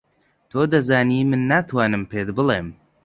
تۆ دەزانی من ناتوانم پێت بڵێم.